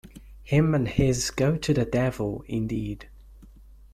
Him and his "go to the devil" indeed!